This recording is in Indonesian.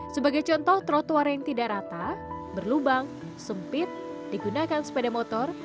sebagai contoh trotoar yang tidak rata berlubang sempit digunakan sepeda motor